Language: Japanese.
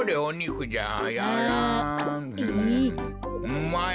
うまい。